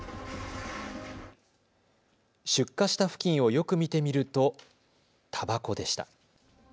出火した付近をよく見てみるとたばこでした。